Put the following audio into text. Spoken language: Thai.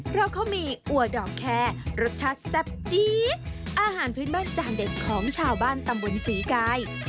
เพราะเขามีอัวดอกแคร์รสชาติแซ่บจี๊ดอาหารพื้นบ้านจานเด็ดของชาวบ้านตำบลศรีกาย